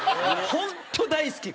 本当大好き！